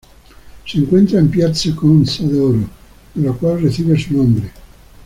Se encuentra en Piazza Conca d'Oro, de la cual recibe su nombre.